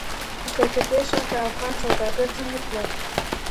د کلکتې ښار ته افغان سوداګر څنګه تلل؟